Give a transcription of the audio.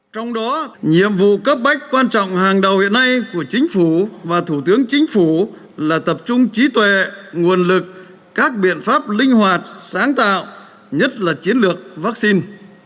trong đó nhiệm vụ cấp bách quan trọng hàng đầu hiện nay của chính phủ và thủ tướng chính phủ là tập trung trí tuệ nguồn lực các biện pháp linh hoạt sáng tạo nhất là chiến lược vaccine